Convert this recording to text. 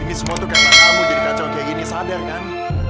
ini semua tuh karena kamu jadi kacau kayak gini sadar kan